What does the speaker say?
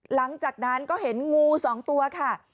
หลังจากนั้นก็เห็นงู๒ตัวค่ะ